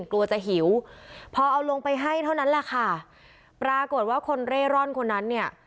กลัวจะหิวพอเอาลงไปให้เท่านั้นแหละค่ะปรากฏว่าคนเร่ร่อนคนนั้นเนี่ย